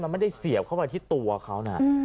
มันไม่ได้เสียบเข้าไปที่ตัวเขานะ